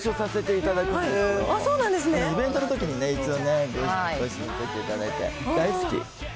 イベントのときに一度ね、ご一緒させていただいて、大好き。